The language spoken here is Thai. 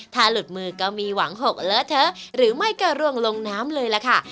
ถ้าหลุดมือก็มีหวังหกเลอะเถอะหรือไม่ก็ร่วงลงน้ำเลยล่ะค่ะ